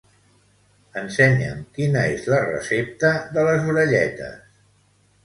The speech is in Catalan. Ensenya'm quina és la recepta de les orelletes.